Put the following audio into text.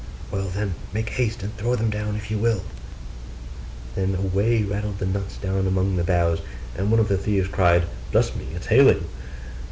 'Well, then, make haste and throw them down, if you will.' Then away rattled the nuts down among the boughs and one of the thieves cried, 'Bless me, it is hailing.